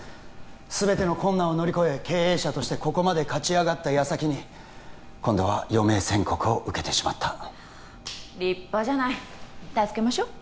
全ての困難を乗り越え経営者としてここまで勝ち上がった矢先に今度は余命宣告を受けてしまった立派じゃない助けましょう？